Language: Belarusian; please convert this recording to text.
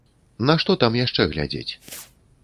На што там яшчэ глядзець?